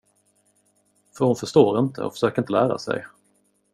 För hon förstår inte och försöker inte lära sig.